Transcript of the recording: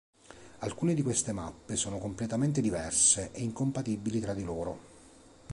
Alcune di queste mappe sono completamente diverse e incompatibili tra di loro.